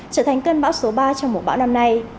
trở thành cơn bão số ba trong mùa bão năm nay